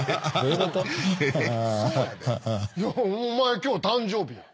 お前今日誕生日や。